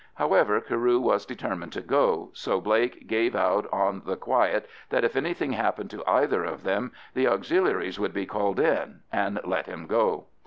However, Carew was determined to go, so Blake gave out on the quiet that if anything happened to either of them the Auxiliaries would be called in, and let him go.